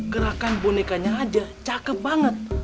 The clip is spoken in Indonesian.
gerakan bonekanya aja cakep banget